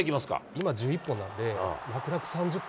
今１１本なんで、楽々３０本